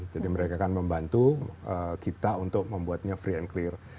mereka akan membantu kita untuk membuatnya free and clear